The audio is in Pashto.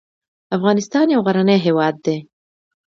افغانستان يو غرنی هېواد دی